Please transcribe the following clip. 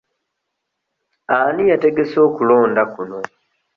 Ani yategese okulonda kuno?